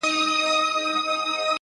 داسي نه كيږي چي اوونـــۍ كې گـــورم!!